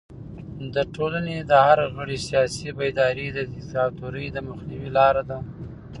د ټولنې د هر غړي سیاسي بیداري د دیکتاتورۍ د مخنیوي لاره ده.